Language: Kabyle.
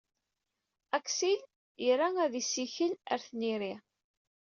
Aksil ira ad issikel ar tniri.